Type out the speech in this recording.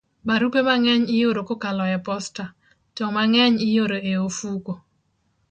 Barupe mang'eny ioro kokalo e posta, to mang'eny ioro e ofuko.